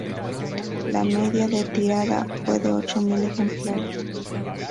La media de tirada fue de ocho mil ejemplares.